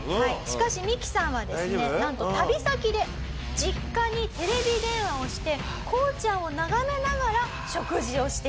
しかしミキさんはですねなんと旅先で実家にテレビ電話をしてこうちゃんを眺めながら食事をしていたと。